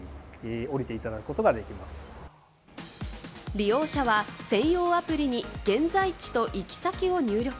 利用者は専用アプリに現在地と行き先を入力。